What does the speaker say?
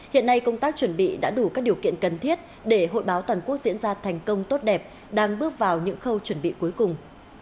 hiện nay công tác chuẩn bị đã đủ các điều kiện cần thiết để hội báo toàn quốc diễn ra thành công tốt đẹp đang bước vào những khâu chuẩn bị cuối cùng